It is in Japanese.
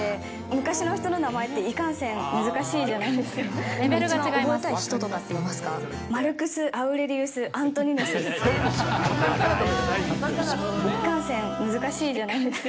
昔の人の名前っていかんせん難しいじゃないですか。